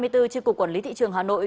trên cục quản lý thị trường hà nội